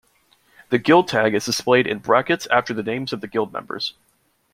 The guild tag is displayed in brackets after the names of guild members.